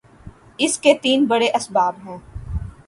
اس کے تین بڑے اسباب ہیں۔